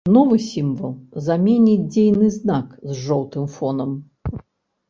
Новы сімвал заменіць дзейны знак з жоўтым фонам.